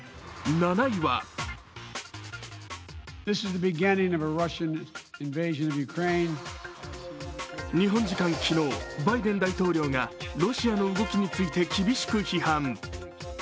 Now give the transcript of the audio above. ７位は日本時間昨日、バイデン大統領がロシアの動きについて厳しく批判。